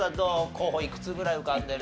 候補いくつぐらい浮かんでる？